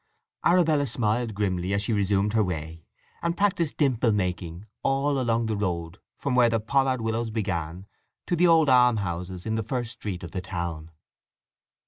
Arabella smiled grimly as she resumed her way, and practised dimple making all along the road from where the pollard willows begin to the old almshouses in the first street of the town.